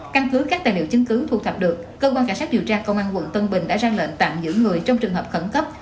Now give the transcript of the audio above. căn cứ các tài liệu chứng cứ thu thập được cơ quan cảnh sát điều tra công an quận tân bình đã ra lệnh tạm giữ người trong trường hợp khẩn cấp